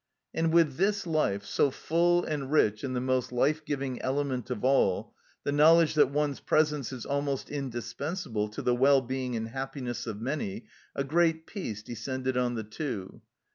And with this life, so full and rich in the most life giving element of all, the knowledge that one's presence is almost indispensable to the well being and happiness of many, a great peace descended on the Two.